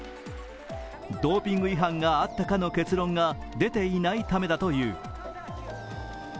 ドーピング違反があったかの結論が出ていないためだという。